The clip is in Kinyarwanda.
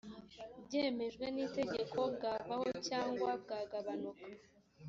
byemejwe n’itegeko bwavaho cyangwa bwagabanuka